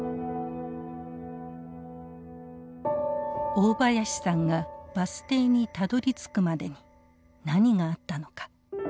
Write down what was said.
大林さんがバス停にたどりつくまでに何があったのか。